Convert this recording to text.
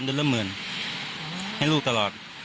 เดือนละ๑๐๐๐๐ให้ลูกตลอด